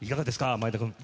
前田君。